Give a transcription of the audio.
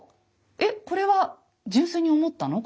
えっこれは純粋に思ったの？